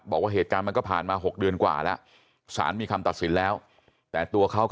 บอกว่าเหตุการณ์มันก็ผ่านมา๖เดือนกว่าแล้วศาลมีคำตัดสินแล้ว